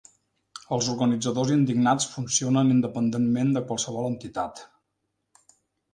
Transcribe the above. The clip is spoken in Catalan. Els organitzadors indignats funcionen independentment de qualsevol entitat.